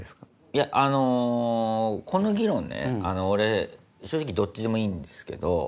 いやあのこの議論ね俺正直どっちでもいいんですけど。